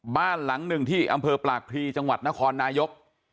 บ้านหลังหนึ่งที่อำเภอปากพรีจังหวัดนครนายก